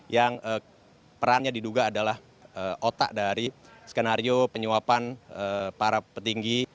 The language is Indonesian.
yang perannya diduga adalah otak dari skenario penyuapan para petinggi